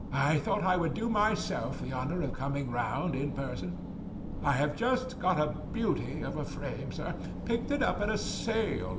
"I thought I would do myself the honour of coming round in person. I have just got a beauty of a frame, sir. Picked it up at a sale.